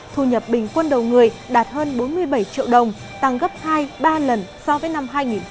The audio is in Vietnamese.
thu nhập bình quân đầu người đạt hơn bốn mươi bảy triệu đồng tăng gấp hai ba lần so với năm hai nghìn một mươi